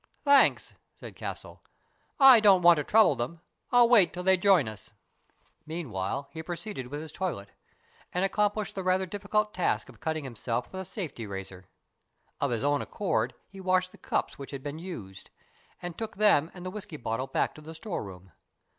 " Thanks," said Castle. " I don't want to trouble them. I'll wait till they join us." Meanwhile he proceeded with his toilet, and accomplished the rather difficult task of cutting himself with a safety razor. Of his own accord he washed the cups which had been used, and took them and the whisky bottle back to the store room.